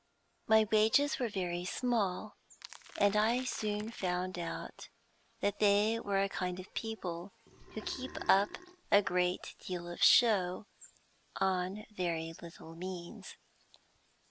My wages were very small, and I soon found out that they were a kind of people who keep up a great deal of show on very little means.